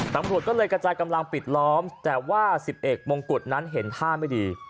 ตำรวจก็เลยกระจายกำลังปิดล้อมแต่ว่า๑๑มงกุฎนั้นเห็นท่าไม่ดี